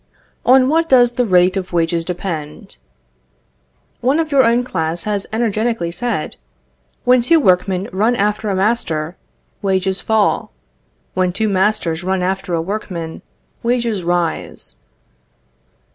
On what does the rate of wages depend? One of your own class has energetically said: "When two workmen run after a master, wages fall; when two masters run after a workman, wages rise."